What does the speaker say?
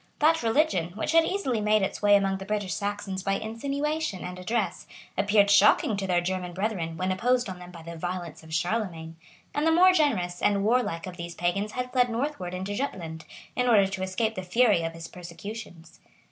That religion, which had easily made its way among the British Saxons by insinuation and address, appeared shocking to their German brethren, when imposed on them by the violence of Charlemagne; and the more generous and warlike of these pagans had fled northward into Jutland, in order to escape the fury of his persecutions.